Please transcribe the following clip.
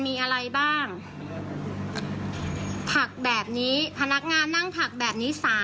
เนี่ยค่ะทักทีแหละประมาณนี้